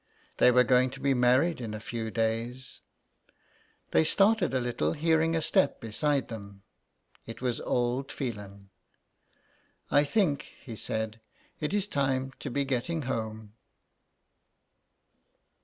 They were going to be married in a few days ! They started a little, hearing a step beside them. It was old Phelan. '' I think," he said, 'Mt is time to be getting home."